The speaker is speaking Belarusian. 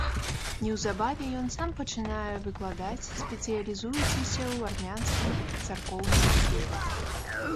Неўзабаве ён сам пачынае выкладаць, спецыялізуючыся ў армянскім царкоўным спеве.